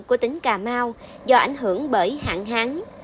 của tỉnh cà mau do ảnh hưởng bởi hạn hán